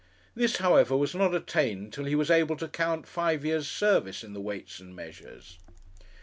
This, however, was not attained till he was able to count five years' service in the Weights and Measures.